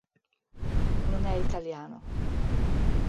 Wa̱yuḵ̓wa̱sida wa´okw he g̱wix´idtłi.